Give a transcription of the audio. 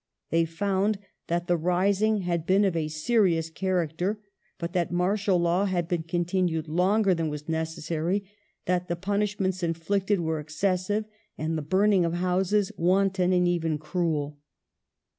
They found that the rising had been of a serious character, but that martial law had been continued longer than was necessary, that the punishments inflicted were excessive, and the burning of houses wanton and even cruel.